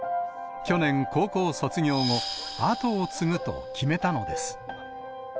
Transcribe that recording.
去年高校卒業後、後を継ぐと決めたのです。